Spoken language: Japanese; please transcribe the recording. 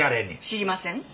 知りません。